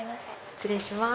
失礼します。